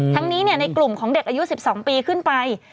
ทั้งนี้ในกลุ่มของเด็กอายุ๑๒ปีขึ้นไป